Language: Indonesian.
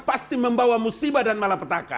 pasti membawa musibah dan malapetaka